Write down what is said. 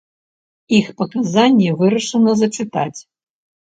Іх паказанні вырашана зачытаць.